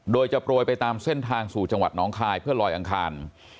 โดยจะโปรยไปตามเส้นทางสู่จังหวัดน้องคายเพื่อลอยอังคาร